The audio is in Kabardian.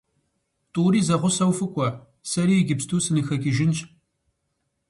ТӀури зэгъусэу фыкӀуэ, сэри иджыпсту сыныхэкӀыжынщ.